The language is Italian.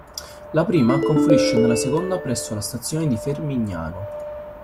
La prima confluisce nella seconda presso la stazione di Fermignano.